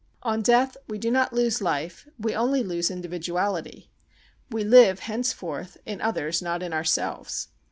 On death we do not lose life, we only lose individuality; we live henceforth in others not in ourselves.